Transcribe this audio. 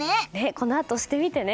このあとしてみてね。